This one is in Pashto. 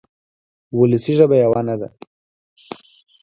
وولسي ژبه یوه نه ده.